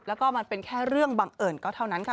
แล้วก็มันเป็นแค่เรื่องบังเอิญก็เท่านั้นค่ะ